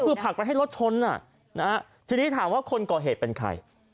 คือผลักไปให้รถชนทีนี้ถามว่าคนก่อเหตุเป็นใคร